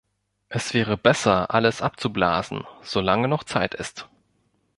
Es wäre besser, alles abzublasen, solange noch Zeit ist.